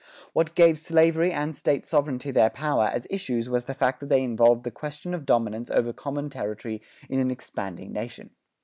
What gave slavery and State sovereignty their power as issues was the fact that they involved the question of dominance over common territory in an expanding nation.